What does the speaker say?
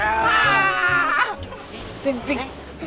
eh beng beng